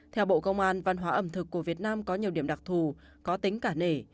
theo bộ công an văn hóa ẩm thực của việt nam có nhiều điểm đặc thù có tính cả nể